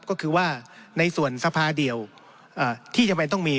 ก็คือว่าในส่วนสภาเดียวที่จำเป็นต้องมี